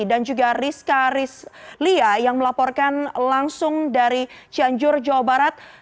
dan juga rizka rizlia yang melaporkan langsung dari cianjur jawa barat